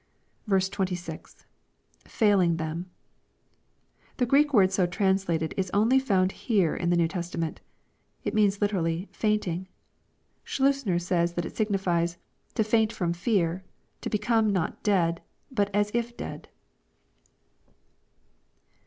26, — [Failing them.] The Greek word so translated is only found here in the new Testament, It means literally " fainting." Schleus ner says that it signifies, " to faint from fear, to become not dead, but as if dead."